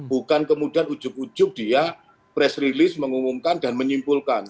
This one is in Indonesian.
bukan kemudian ujuk ujuk dia press release mengumumkan dan menyimpulkan